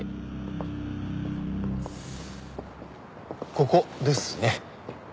ここですね。